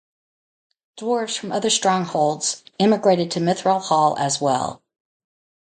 Dwarves from other strongholds immigrated to Mithral Hall, as well.